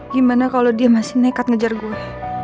gimana kalau dia masih nekat mengejar saya